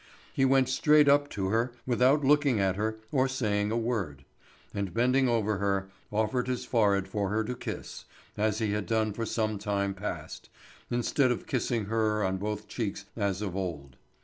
He went straight up to her without looking at her or saying a word, and bending over her, offered his forehead for her to kiss, as he had done for some time past, instead of kissing her on both cheeks as of old.